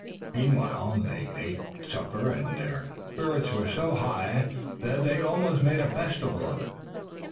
Meanwhile they ate supper and their spirits were so high that they almost made a festival of it.